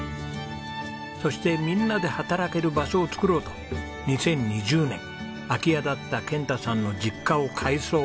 そしてみんなで働ける場所を作ろうと２０２０年空き家だった健太さんの実家を改装。